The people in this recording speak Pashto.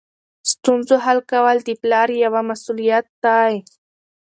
ستونزو حل کول د پلار یوه مسؤلیت ده.